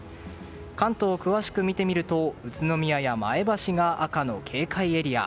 関東を詳しく見てみると宇都宮や前橋が赤の警戒エリア。